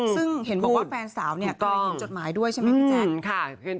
ซึ่งเห็นว่าแฟนสาวก็ได้จดหมายด้วยใช่ไหมฆิแจช์